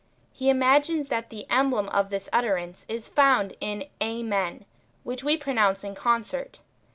He imagines that the emblem of this utterance is found in Amen, which we pro nounce in concert.